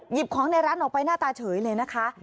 ของในร้านออกไปหน้าตาเฉยเลยนะคะ